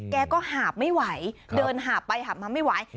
แกก็หาบไม่ไหวเดินหาบไปหาบมาไม่ไหว